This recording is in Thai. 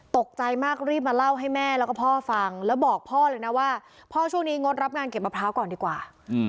ตกใจมากรีบมาเล่าให้แม่แล้วก็พ่อฟังแล้วบอกพ่อเลยนะว่าพ่อช่วงนี้งดรับงานเก็บมะพร้าวก่อนดีกว่า